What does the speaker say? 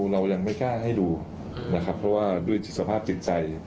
เรายังไม่กล้าให้ดูนะครับเพราะว่าด้วยจิตสภาพจิตใจ